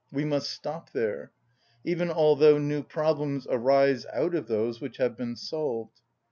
We must stop there; even although new problems arise out of those which have been solved.